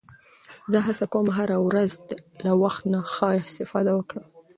زه هڅه کوم هره ورځ له وخت نه ښه استفاده وکړم